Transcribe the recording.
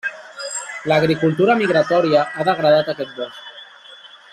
L'agricultura migratòria ha degradat aquest bosc.